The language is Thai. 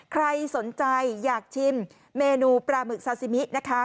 ใครสนใจอยากชิมเมนูปลาหมึกซาซิมินะคะ